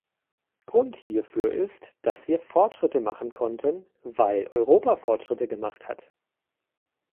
Grund hierfür ist, dass wir Fortschritte machen konnten, weil Europa Fortschritte gemacht hat.